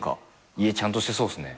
家ちゃんとしてそうっすね。